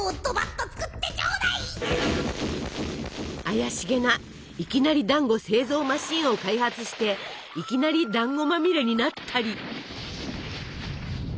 怪しげないきなりだんご製造マシンを開発していきなりだんごまみれになったり。